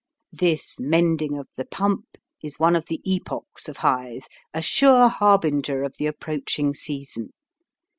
This mending of the pump is one of the epochs of Hythe, a sure harbinger of the approaching season.